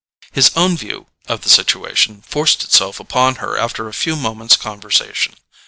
His own view of the situation forced itself upon her after a few moments' conversation.